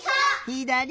ひだり！